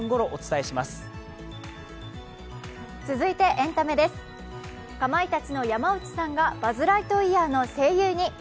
かまいたちの山内さんが「バズ・ライトイヤー」の声優に。